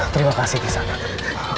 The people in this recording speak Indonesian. terima kasih kisanak